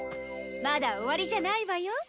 まだ終わりじゃないわよ。